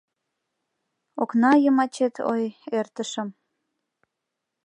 Окна йымачет, ой, эртышым